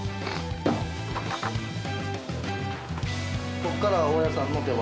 ここからは大矢さんの出番？